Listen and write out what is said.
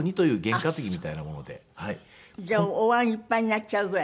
じゃあお椀いっぱいになっちゃうぐらい？